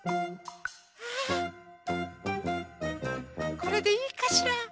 これでいいかしら？